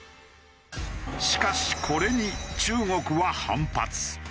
しかしこれに中国は反発。